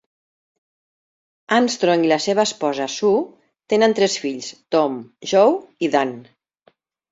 Armstrong i la seva esposa, Sue, tenen tres fills: Tom, Joe i Dan.